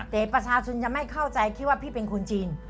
แต่ประชาชนจะไม่เข้าใจคิดว่าพี่เป็นคนจีน